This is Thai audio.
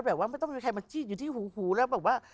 แล้วแบบว่าไม่ต้องมีใครมาจี๊ดอยู่ที่หูแล้วบอกว่า